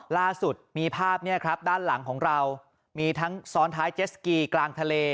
ล่าสุดมีภาพเนี่ยครับด้านหลังของเรามีทั้งซ้อนท้ายเจสกีกลางทะเล